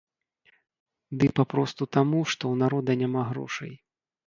Ды папросту таму, што ў народа няма грошай.